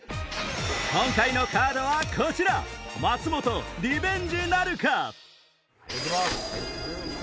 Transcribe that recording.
今回のカードはこちら松本リベンジなるか⁉行きます。